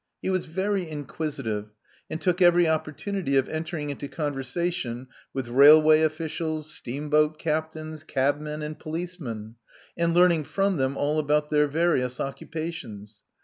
He was very inquisitive, and took eveiy opportunity of entering into conversation with railway officials, steamboat captains, cabmen, and policemen, and learning from them all about their various occupations.